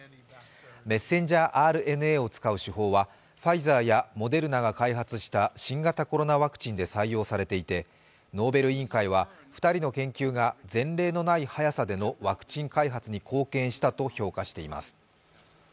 メッセンジャーＲＮＡを使う手法はファイザーやモデルナが開発した新型コロナワクチンで採用されていてノーベル委員会は２人の研究が前例のない速さでのワクチン開発に貢献したと評価しています。